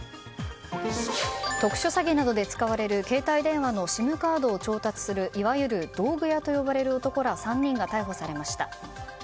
特殊詐欺などで使われる携帯電話のＳＩＭカードを調達するいわゆる道具屋と呼ばれる男ら３人が逮捕されました。